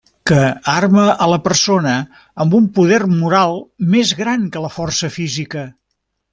Que arma a la persona amb un poder moral, més gran que la força física.